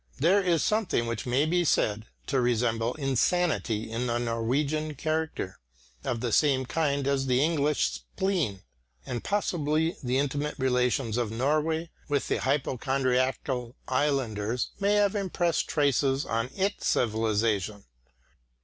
There is something which may be said to resemble insanity in the Norwegian character, of the same kind as the English "spleen;" and possibly the intimate relations of Norway with the hypochondriacal islanders may have impressed traces on its civilisation.